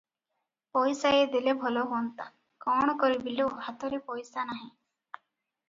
ପଇସାଏ ଦେଲେ ଭଲ ହୁଅନ୍ତା - କଣ କରିବି ଲୋ, ହାତରେ ପଇସା ନାହିଁ ।